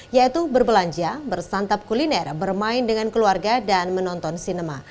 yaitu berbelanja bersantap kuliner bermain dengan keluarga dan menonton sinema